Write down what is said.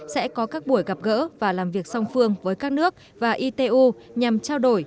sẽ có các buổi gặp gỡ và làm việc song phương với các nước và itu nhằm trao đổi